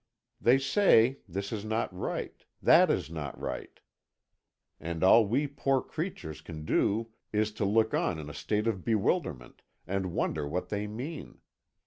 They say, this is not right, that is not right. And all we poor creatures can do is to look on in a state of bewilderment, and wonder what they mean.